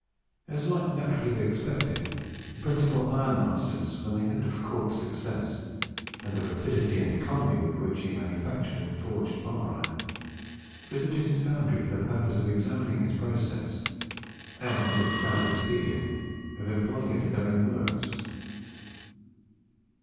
As might naturally be expected, the principal ironmasters, when they heard of Cort's success, and the rapidity and economy with which he manufactured and forged bar iron, visited his foundry for the purpose of examining his process, and, if found expedient, of employing it at their own works.